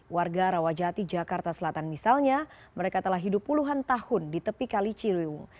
warga rawajati jakarta selatan misalnya mereka telah hidup puluhan tahun di tepi kali ciliwung